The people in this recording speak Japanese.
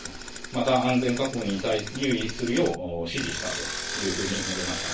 また安全確保に留意するよう指示したというふうに述べました。